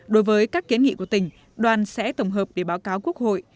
đối với các kiến nghị của tỉnh đoàn sẽ tổng hợp để báo cáo quốc hội